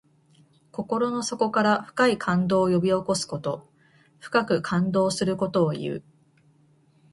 心の底から深い感動を呼び起こすこと。深く感動することをいう。